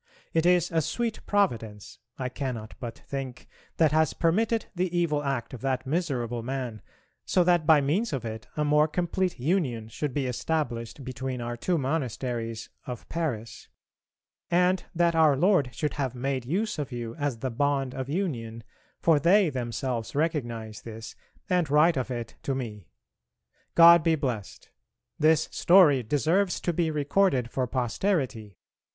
It is a sweet Providence, I cannot but think, that has permitted the evil act of that miserable man, so that by means of it a more complete union should be established between our two monasteries (of Paris), and that Our Lord should have made use of you as the bond of union, for they themselves recognize this and write of it to me. God be blessed! This story deserves to be recorded for posterity.